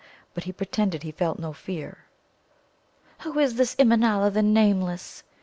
But he pretended he felt no fear. "Who is this Immanâla, the Nameless?"